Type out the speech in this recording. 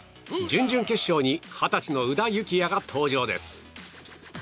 準々決勝に二十歳の宇田幸矢が登場です。